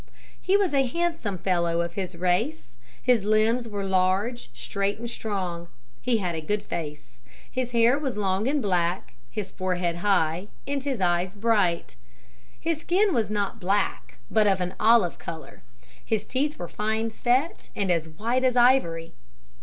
He was a handsome fellow of his race. His limbs were large, straight and strong. He had a good face. His hair was long and black, his forehead high, and his eyes bright. His skin was not black, but of an olive color. His teeth were fine set and as white as ivory.